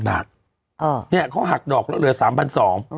ขอ๔๐๐๐บาทเขาหักดอกแล้วเหลือ๓๒๐๐บาท